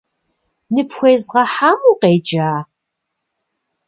Ныпхуезгъэхьахэм укъеджа?